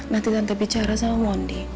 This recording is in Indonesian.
nanti tante bicara sama mondi